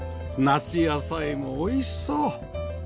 夏野菜もおいしそう！